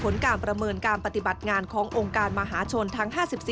ซึ่งกลางปีนี้ผลการประเมินการทำงานขององค์การมหาชนปี๒ประสิทธิภาพสูงสุด